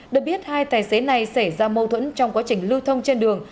được biết hai tài xế này xảy ra mâu thuẫn trong quá trình lưu thông trên đường